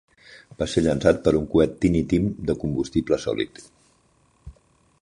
Va ser llançat per un coet Tiny Tim de combustible sòlid.